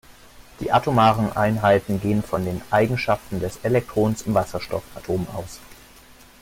Die atomaren Einheiten gehen von den Eigenschaften des Elektrons im Wasserstoffatom aus.